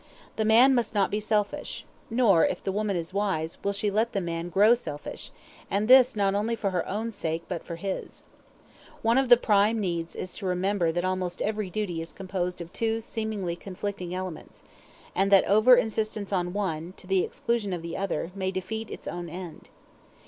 The man must not be selfish; nor, if the woman is wise, will she let the man grow selfish, and this not only for her own sake but for his. One of the prime needs is to remember that almost every duty is composed of two seemingly conflicting elements, and that over insistence on one, to the exclusion of the other, may defeat its own end.